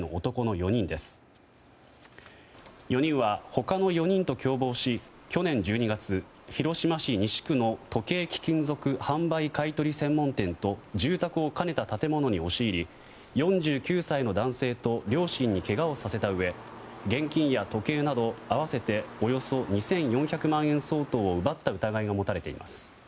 ４人は他の４人と共謀し去年１２月広島市西区の時計貴金属販売買い取り専門店と住宅を兼ねた建物に押し入り４９歳の男性と両親にけがをさせたうえ現金や時計など合わせておよそ２４００万円相当を奪った疑いが持たれています。